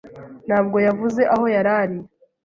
ntabwo yavuze aho yari ari.